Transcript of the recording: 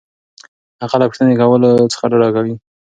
هغه له پوښتنې کولو څخه ډډه کوي.